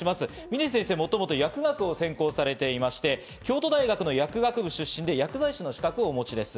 峰先生、もともと薬学を専攻されていまして、京都大学の薬学部出身で薬剤師の資格をお持ちです。